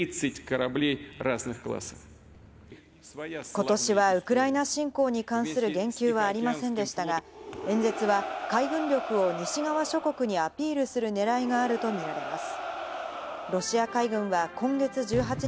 ことしはウクライナ侵攻に関する言及はありませんでしたが、演説は海軍力を西側諸国にアピールする狙いがあると見られます。